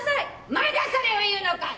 まだそれを言うのかい！！